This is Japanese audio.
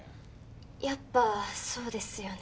やっぱそうですよね。